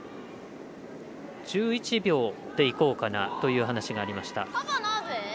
１１秒でいこうかなという話がありました。